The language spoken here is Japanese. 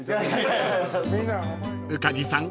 ［宇梶さん